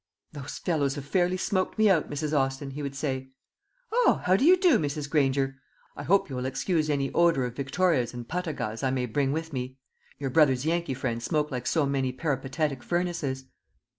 "Those fellows have fairly smoked me out, Mrs. Austin," he would say. "Ah, how do you do, Mrs. Granger? I hope you'll excuse any odour of Victorias and Patagas I may bring with me. Your brother's Yankee friends smoke like so many peripatetic furnaces."